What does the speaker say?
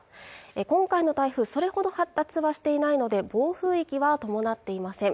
今回の台風それほど発達はしていないので暴風域は伴っていません